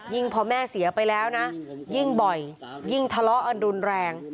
พอแม่เสียไปแล้วนะยิ่งบ่อยยิ่งทะเลาะอันรุนแรง